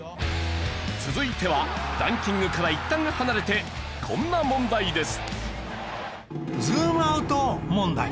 続いてはランキングからいったん離れてこんな問題です。